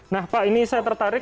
nah pak ini saya tertarik